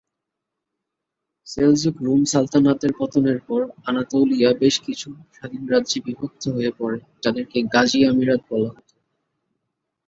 Seljuk Rum সালতানাতের পতনের পর আনাতোলিয়া বেশ কিছু স্বাধীন রাজ্যে বিভক্ত হয়ে পড়ে যাদেরকে গাজি আমিরাত বলা হত।